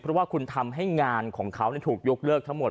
เพราะว่าคุณทำให้งานของเขาถูกยกเลิกทั้งหมด